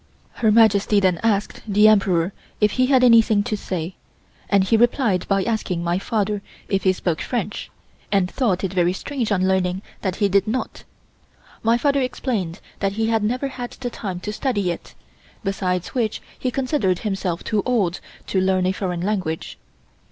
Her Majesty when asked the Emperor if he had anything to say, and he replied by asking my father if he spoke French, and thought it very strange on learning that he did not. My father explained that he had never had the time to study it, besides which he considered himself too old to learn a foreign language.